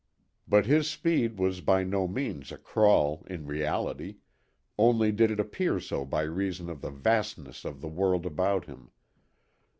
But his speed was by no means a crawl in reality, only did it appear so by reason of the vastness of the world about him.